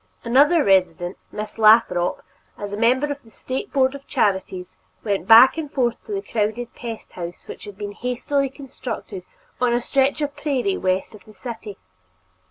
Another resident, Miss Lathrop, as a member of the State Board of Charities, went back and forth to the crowded pest house which had been hastily constructed on a stretch of prairie west of the city.